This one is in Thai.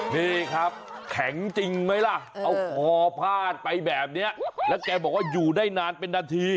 นี่ครับแข็งจริงไหมล่ะเอาคอพาดไปแบบนี้แล้วแกบอกว่าอยู่ได้นานเป็นนาที